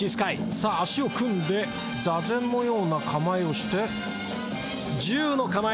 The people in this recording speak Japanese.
さあ足を組んで座禅のような構えをして銃の構え。